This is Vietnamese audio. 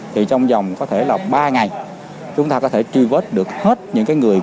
thì trong dòng có thể là ba ngày chúng ta có thể tri vết được hết những cái người